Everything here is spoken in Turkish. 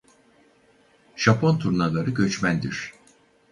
Japon turnaları göçmendir.